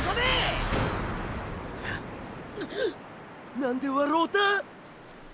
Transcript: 何で笑うた？